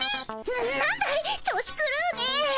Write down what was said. ななんだい調子くるうねぇ。